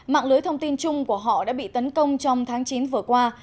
mạng lưới thông tin chung của họ đã bị tấn công trong tháng chín vừa qua